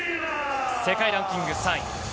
世界ランキング３位。